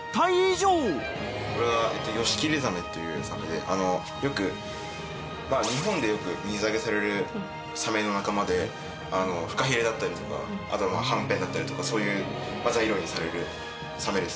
これはヨシキリザメというサメで日本でよく水揚げされるサメの仲間でフカヒレだったりとかあとはんぺんだったりとかそういう材料にされるサメですね。